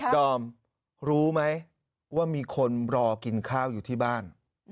ดอมรู้ไหมว่ามีคนรอกินข้าวอยู่ที่บ้าน